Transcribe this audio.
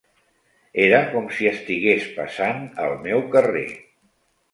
Era com si estigués passant al meu carrer.